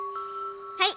はい！